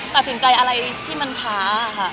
ตัดสินใจอะไรที่มันช้าค่ะ